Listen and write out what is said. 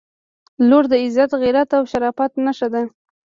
• لور د عزت، غیرت او شرافت نښه ده.